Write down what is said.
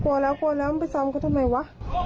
กลัวแล้วกลัวแล้วมันไปซ้อมเขาทำไมวะ